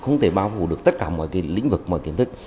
không thể bao phủ được tất cả mọi lĩnh vực mọi kiến thức